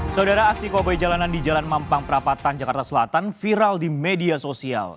saudara aksi kobe jalanan di jalan mampang perapatan jakarta selatan viral di media sosial